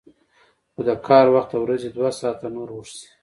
خو د کار وخت د ورځې دوه ساعته نور اوږد شي